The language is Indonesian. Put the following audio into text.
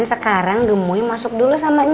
aku masak dulu ya